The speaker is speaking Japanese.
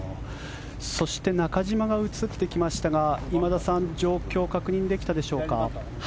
そして中島が映ってきましたが今田さん状況確認できたでしょうか。